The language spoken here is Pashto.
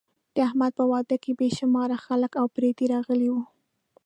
د احمد په واده کې بې شماره خپل او پردي راغلي وو.